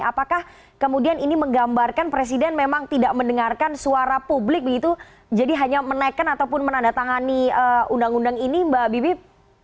apakah kemudian ini menggambarkan presiden memang tidak mendengarkan suara publik begitu jadi hanya menaikkan ataupun menandatangani undang undang ini mbak bibip